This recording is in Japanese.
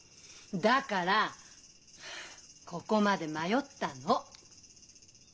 だからここまで迷ったの！